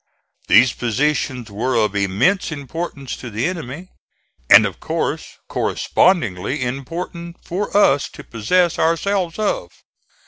These positions were of immense importance to the enemy; and of course correspondingly important for us to possess ourselves of.